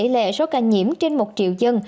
lệ số ca nhiễm trên một triệu dân